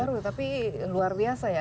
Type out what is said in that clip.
baru tapi luar biasa ya